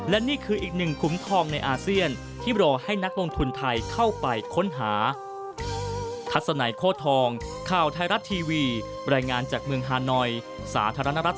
และนี่คืออีกหนึ่งขุมทองในอาเซียนที่รอให้นักลงทุนไทยเข้าไปค้นหา